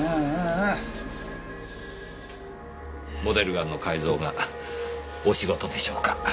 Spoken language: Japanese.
モデルガンの改造がお仕事でしょうか。